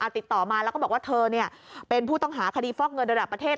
ติดต่อมาแล้วก็บอกว่าเธอเป็นผู้ต้องหาคดีฟอกเงินระดับประเทศ